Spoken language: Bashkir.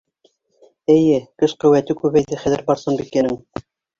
Эйе, көс- ҡеүәте күбәйҙе хәҙер Барсынбикәнең.